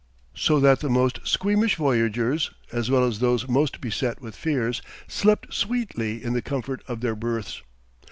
So that the most squeamish voyagers, as well as those most beset with fears, slept sweetly in the comfort of their berths.